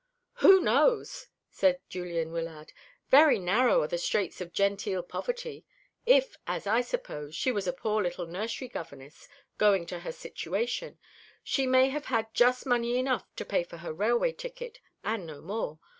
"Who knows!" said Julian Wyllard. "Very narrow are the straits of genteel poverty. If, as I suppose, she was a poor little nursery governess going to her situation, she may have had just money enough to pay for her railway ticket, and no more.